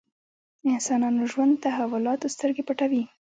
انسانانو ژوند تحولاتو سترګې پټوي.